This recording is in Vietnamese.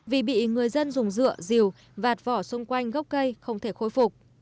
vì bị người dân dùng dựa dìu vạt vỏ xung quanh gốc cây không thể khôi phục